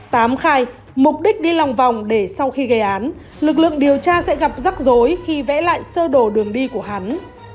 tám khai mục đích đi lòng vòng để sau khi gây án lực lượng điều tra sẽ gặp rắc rối khi vẽ lại sơ đồ đường đi của hắn